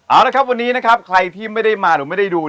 เอาละครับวันนี้นะครับใครที่ไม่ได้มาหรือไม่ได้ดู